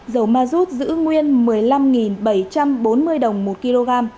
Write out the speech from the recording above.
dầu ma rút giữ nguyên một mươi năm bảy trăm bốn mươi đồng một kg